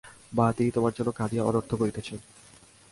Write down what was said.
মা, তিনি তোমার জন্য কাঁদিয়া অনর্থ করিতেছেন।